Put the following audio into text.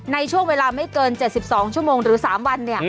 ในช่วงเวลาไม่เกิน๗๒ชั่วโมงหรือ๓วัน